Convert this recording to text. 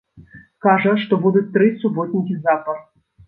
Кажа, што будуць тры суботнікі запар.